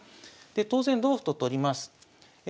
当然同歩と取ります。